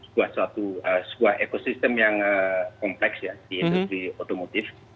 sebuah ekosistem yang kompleks ya di industri otomotif